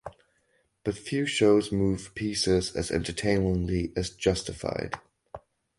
But few shows move pieces as entertainingly as "Justified".